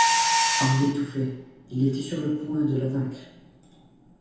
Il l’étouffait, il était sur le point de la vaincre.